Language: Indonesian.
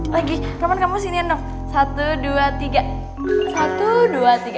lagi roman kamu siniin dong satu dua tiga satu dua tiga